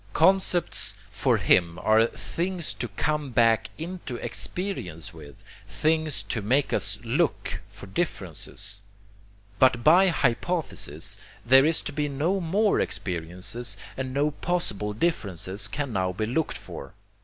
Concepts for him are things to come back into experience with, things to make us look for differences. But by hypothesis there is to be no more experience and no possible differences can now be looked for.